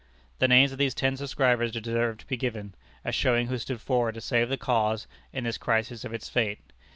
The names of these ten subscribers deserve to be given, as showing who stood forward to save the cause in this crisis of its fate.